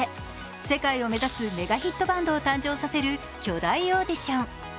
世界を目指すメガヒットバンドを誕生させる巨大オーディション。